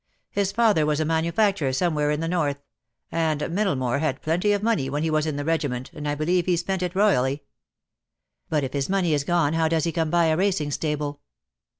His father was a manufacturer some where in the north — and Middlemore had plenty of money when he was in the regiment, and I believe he spent it royally." "But if his money is gone how does he come by a racing stable?"